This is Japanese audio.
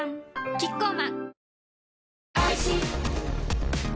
キッコーマン